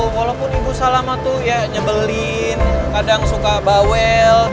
walaupun ibu salaman tuh ya nyebelin kadang suka bawel